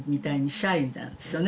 シャイなんですよね